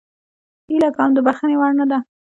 هیله کوم د بخښنې وړ نه ده